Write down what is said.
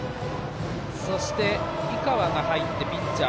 そして井川が入ってピッチャー